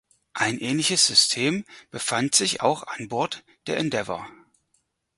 Ein ähnliches System befand sich auch an Bord der Endeavour.